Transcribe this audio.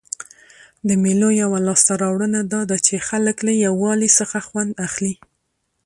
د مېلو یوه لاسته راوړنه دا ده، چي خلک له یووالي څخه خوند اخلي.